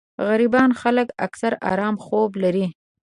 غريبان خلک اکثر ارام خوب لري